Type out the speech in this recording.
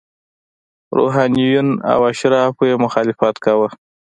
روحانینو او اشرافو یې مخالفت کاوه.